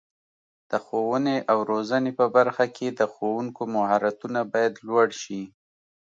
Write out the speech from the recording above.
د ښوونې او روزنې په برخه کې د ښوونکو مهارتونه باید لوړ شي.